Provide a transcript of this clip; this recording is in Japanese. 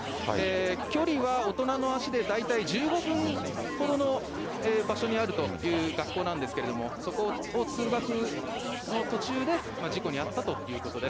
距離は大人の足で大体、１５分ほどの場所にあるという学校なんですけれども、そこを通学の途中で、事故に遭ったということです。